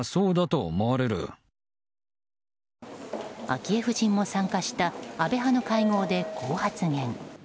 昭恵夫人も参加した安倍派の会合でこう発言。